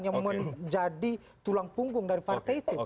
yang menjadi tulang punggung dari partai itu